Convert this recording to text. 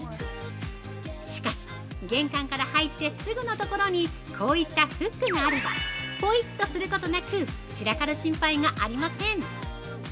しかし、玄関から入ってすぐの所にこういったフックがあればポイっとすることなく散らかる心配がありません！